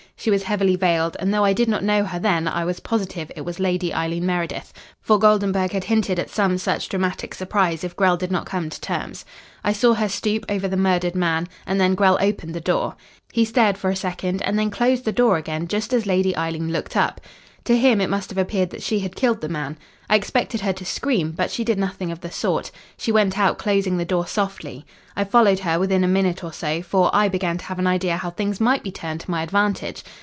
She was heavily veiled, and though I did not know her then I was positive it was Lady Eileen Meredith, for Goldenburg had hinted at some such dramatic surprise if Grell did not come to terms. I saw her stoop over the murdered man, and then Grell opened the door. He stared for a second, and then closed the door again just as Lady Eileen looked up. "To him it must have appeared that she had killed the man. I expected her to scream, but she did nothing of the sort. She went out, closing the door softly. I followed her within a minute or so, for I began to have an idea how things might be turned to my advantage.